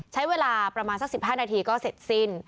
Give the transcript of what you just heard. ใช้เวลาประมาณสัก๑๕นาทีก็เสร็จสิ้น